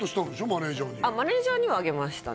マネージャーにマネージャーにはあげましたね